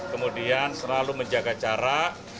kemudian selalu menjaga jarak